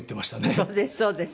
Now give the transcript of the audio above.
そうですそうです。